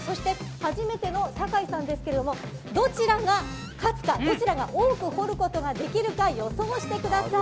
初めての酒井さんですがどちらが勝つかどちらが多く掘ることができるか予想してください。